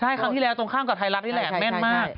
ใช่ครั้งที่แล้วตรงข้ามกับไทยรัฐนี่แหละแม่นมาก